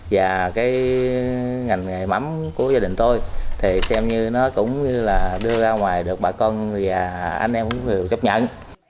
và cái ngành nghề mắm của gia đình tôi thì xem như nó cũng như là đưa ra ngoài được bà con và anh em cũng chấp nhận